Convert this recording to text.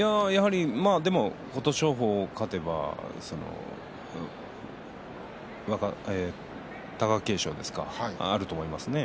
琴勝峰、勝てば貴景勝、あると思いますね。